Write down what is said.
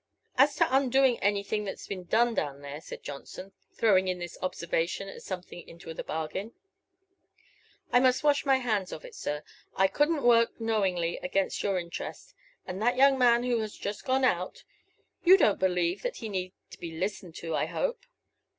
"As to undoing anything that's been done down there," said Johnson, throwing in this observation as something into the bargain, "I must wash my hands of it, sir. I couldn't work knowingly against your interest. And that young man who is just gone out, you don't believe that he need be listened to, I hope?